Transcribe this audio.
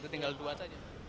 tinggal dua saja